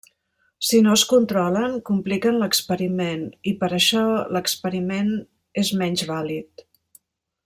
Si no es controlen, compliquen l'experiment i per això, l'experiment és menys vàlid.